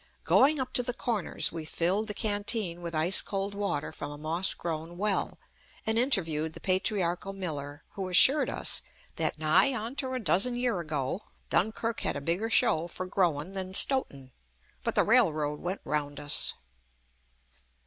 Going up to the corners, we filled the canteen with ice cold water from a moss grown well, and interviewed the patriarchal miller, who assured us that "nigh onter a dozen year ago, Dunkirk had a bigger show for growin' than Stoughton, but the railroad went 'round us."